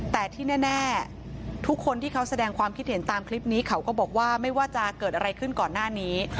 แต่ที่แน่ทุกคนที่เขาแสดงความคิดเห็นตามคลิปนี้เขาก็บอกว่าไม่ว่าจะเกิดอะไรขึ้นก่อนหน้านี้